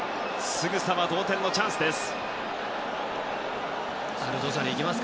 すぐさま同点のチャンスです。